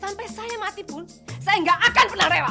sampai saya mati pun saya nggak akan pernah rewa